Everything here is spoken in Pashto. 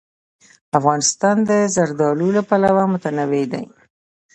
افغانستان د زردالو له پلوه متنوع دی.